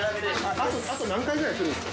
あと何回くらい来るんですか？